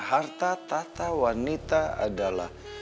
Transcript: harta tata wanita adalah